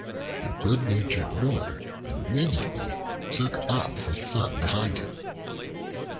The good natured Miller immediately took up his son behind him.